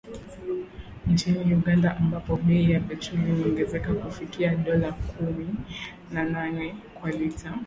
Nchini Uganda, ambapo bei ya petroli imeongezeka kufikia dola kumi na nne kwa lita